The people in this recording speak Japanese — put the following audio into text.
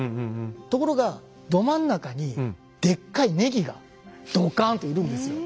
ところがど真ん中にでっかいネギがドカンといるんですよ。